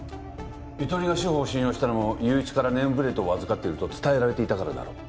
ゆとりが志法を信用したのも友一からネームプレートを預かっていると伝えられていたからだろう。